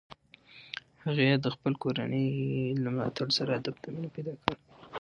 هغې د خپلې کورنۍ له ملاتړ سره ادب ته مینه پیدا کړه.